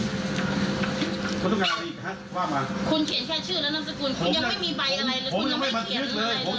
อย่าไปพูดแบบนี้ดิ